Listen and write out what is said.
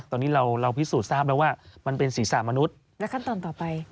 ตอนนี้เราพิสูจน์ทราบแล้วว่ามันเป็นศีรษะมนุษย์และขั้นตอนต่อไป